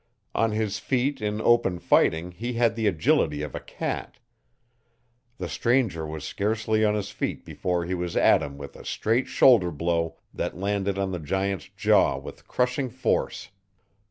On his feet in open fighting he had the agility of a cat. The stranger was scarcely on his feet before he was at him with a straight shoulder blow that landed on the giant's jaw with crushing force.